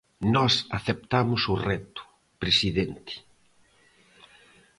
Nós aceptamos o reto, presidente.